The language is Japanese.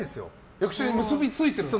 役者に結びついてる？